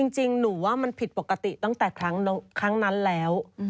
จริงหนูว่ามันผิดปกติตั้งแต่ครั้งนั้นแล้ว